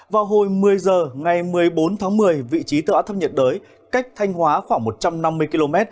vào hồi một mươi h ngày một mươi bốn tháng một mươi vị trí tự áp thấp nhiệt đới cách thanh hóa khoảng một trăm năm mươi km